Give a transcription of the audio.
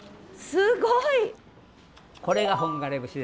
すごい！これが本枯節です。